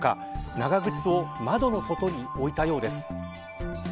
長靴を窓の外に置いたようです。